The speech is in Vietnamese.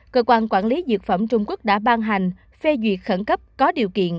cơ quan quản lý dược phẩm trung quốc đã ban hành phê duyệt khẩn cấp có điều kiện